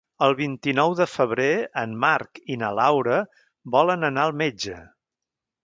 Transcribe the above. El vint-i-nou de febrer en Marc i na Laura volen anar al metge.